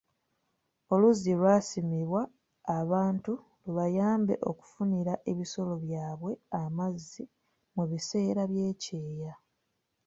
Oluzzi lwasimibwa abantu lubayambe okufunira ebisolo byabwe amazzi mu biseera by'ekyeya.